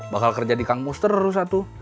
bakal kerja di kampus terus atu